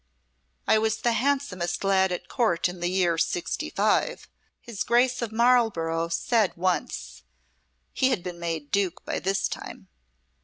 "I was the handsomest lad at Court in the year '65," his Grace of Marlborough said once (he had been made Duke by this time).